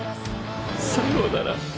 さようなら。